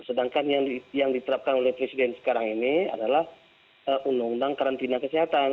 sedangkan yang diterapkan oleh presiden sekarang ini adalah undang undang karantina kesehatan